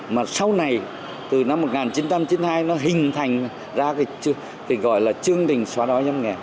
mà sau này từ năm một nghìn chín trăm chín mươi hai nó hình thành ra cái gọi là chương trình xóa đói giảm nghèo